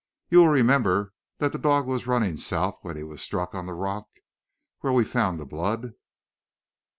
"You will remember that the dog was running south when he was struck on the rock where we found the blood?"